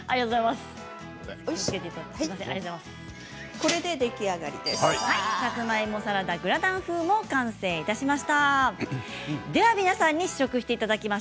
これで出来上がりです。